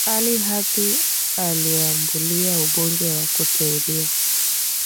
ally hapi aliambulia ubunge wa kuteuliwa